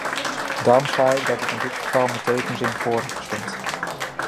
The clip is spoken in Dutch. Daarom zei ik dat ik in dit geval met tegenzin voor heb gestemd.